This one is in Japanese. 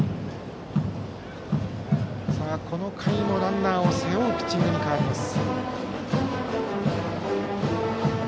この回もランナーを背負うピッチングに変わります。